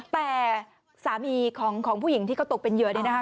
แต่สามีของผู้หญิงที่เขาตกเป็นเหยื่อเนี่ยนะคะ